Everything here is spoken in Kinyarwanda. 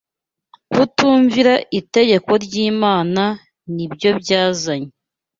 Kutumvira itegeko ry’Imana ni byo byazanye